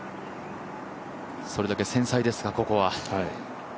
それだけ繊細ですか、ここは。